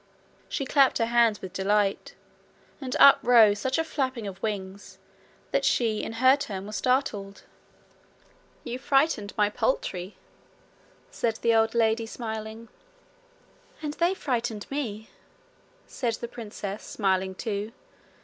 She clapped her hands with delight, and up rose such a flapping of wings that she in her turn was startled. 'You've frightened my poultry,' said the old lady, smiling. 'And they've frightened me,' said the princess, smiling too.